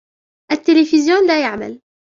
التلفزيون لا يعمل.